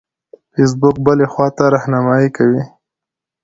فیسبوک بلې خواته رهنمایي کوي.